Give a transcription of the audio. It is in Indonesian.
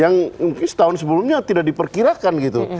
yang mungkin setahun sebelumnya tidak diperkirakan gitu